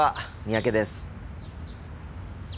三宅です。